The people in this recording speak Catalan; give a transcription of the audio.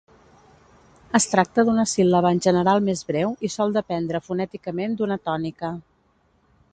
Es tracta d'una síl·laba en general més breu i sol dependre fonèticament d'una tònica.